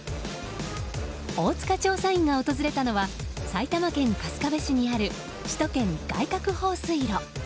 大塚調査員が訪れたのは埼玉県春日部市にある首都圏外郭放水路。